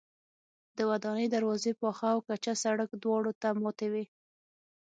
د ودانۍ دروازې پاخه او کچه سړک دواړو ته ماتې وې.